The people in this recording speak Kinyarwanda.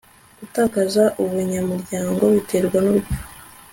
Gutakaza ubunyamuryango biterwa n urupfu